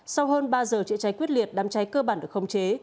sau hơn ba giờ chữa cháy quyết liệt đám cháy cơ bản được không chế